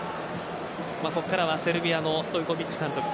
ここからはセルビアのストイコヴィッチ監督